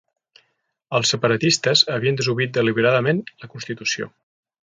Els separatistes havien desobeït deliberadament la constitució.